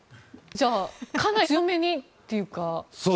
じゃあかなり強めにというか。